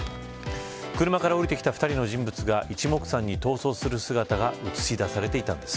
車から降りてきた２人の人物が一目散に逃走する姿が映し出されていたんです。